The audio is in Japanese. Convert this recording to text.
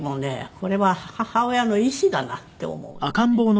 これは母親の意志だなって思うのね。